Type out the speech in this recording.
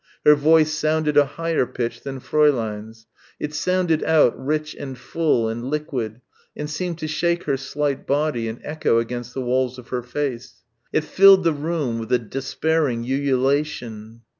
Her voice sounded a higher pitch than Fräulein's. It sounded out rich and full and liquid, and seemed to shake her slight body and echo against the walls of her face. It filled the room with a despairing ululation.